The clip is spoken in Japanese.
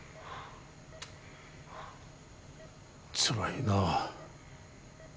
つらいな。